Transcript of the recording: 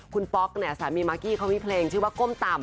คุณป๊อกเนี่ยสามีมากกี้เขามีเพลงชื่อว่าก้มต่ำ